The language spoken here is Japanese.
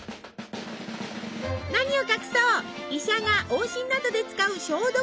何を隠そう医者が往診などで使う消毒入れ。